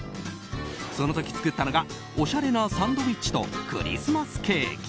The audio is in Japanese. その時、作ったのがおしゃれなサンドイッチとクリスマスケーキ。